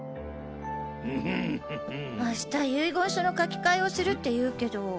明日遺言書の書き換えをするっていうけど